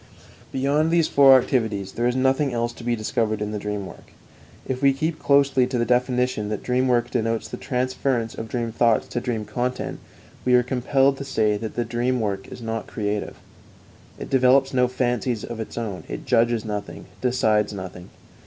Beyond these four activities there is nothing else to be discovered in the dream work. If we keep closely to the definition that dream work denotes the transference of dream thoughts to dream content, we are compelled to say that the dream work is not creative; it develops no fancies of its own, it judges nothing, decides nothing.